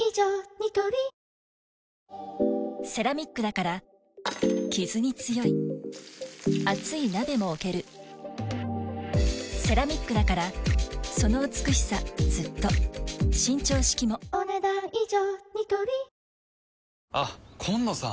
ニトリセラミックだからキズに強い熱い鍋も置けるセラミックだからその美しさずっと伸長式もお、ねだん以上。